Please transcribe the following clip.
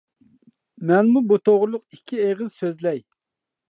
مەنمۇ بۇ توغرۇلۇق ئىككى ئېغىز سۆزلەي!